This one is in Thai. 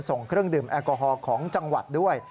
ส่งเครื่องดื่มแอลกอฮอล์ของจังหวัดด้วย